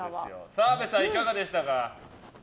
澤部さん、いかがでしたか？